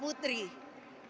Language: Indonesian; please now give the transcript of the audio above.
pada periode kedua